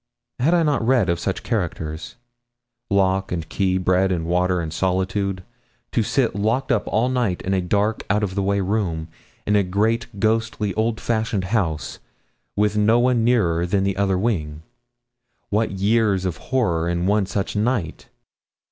had I not read of such characters? lock and key, bread and water, and solitude! To sit locked up all night in a dark out of the way room, in a great, ghosty, old fashioned house, with no one nearer than the other wing. What years of horror in one such night!